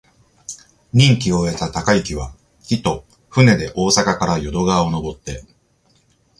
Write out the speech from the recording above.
任期を終えた貫之は、帰途、船で大阪から淀川をのぼって、